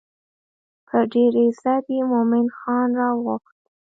په ډېر عزت یې مومن خان راوغوښت.